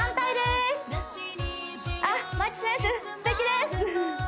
すてきです